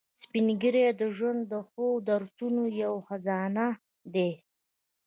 سپین ږیری د ژوند د ښو درسونو یو خزانه دي